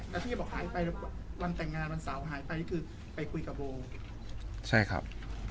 แล้วที่บอกหายไปวันแต่งงานวันเสาร์หายไปนี่คือไปคุยกับโบใช่ครับ